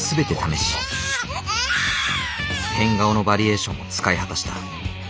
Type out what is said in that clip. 変顔のバリエーションも使い果たした。